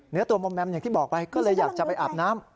เนื้อตัวมอมแมมอย่างที่บอกไปก็เลยอยากจะไปอาบน้ำ